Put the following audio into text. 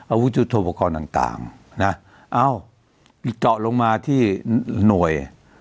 อาวุธจุโทรปกรณ์ต่างนะเอ้าปิดเกาะลงมาที่หน่วย